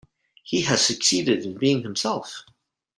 He has succeeded in being himself.